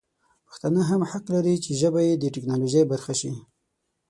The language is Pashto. پښتانه هم حق لري چې ژبه یې د ټکنالوژي برخه شي.